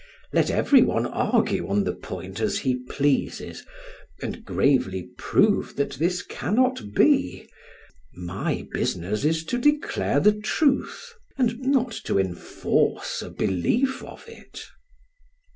Let every one argue on the point as he pleases, and gravely prove that this cannot be; my business is to declare the truth, and not to enforce a belief of it.